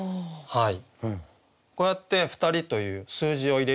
はい。